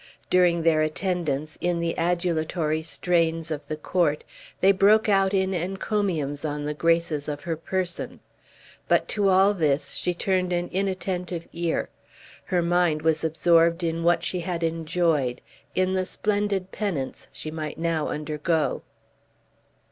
During their attendance, in the adulatory strains of the court, they broke out in encomiums on the graces of her person; but to all this she turned an inattentive ear her mind was absorbed in what she had enjoyed, in the splendid penance she might now undergo.